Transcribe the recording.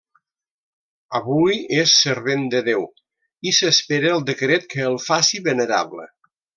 Avui és Servent de Déu i s'espera el decret que el faci venerable.